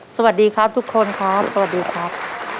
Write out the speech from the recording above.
สวัสดีครับทุกคนครับสวัสดีครับ